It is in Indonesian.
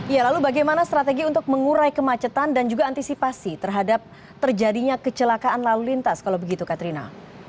ya lalu bagaimana strategi untuk mengurai kemacetan dan juga antisipasi terhadap terjadinya kecelakaan lalu lintas kalau begitu katrina